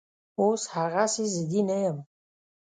اوس هغسې ضدي نه یم